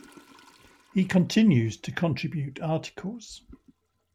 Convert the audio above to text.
He continues to contribute articles.